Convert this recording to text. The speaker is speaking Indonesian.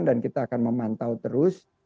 dan kita akan memantau terus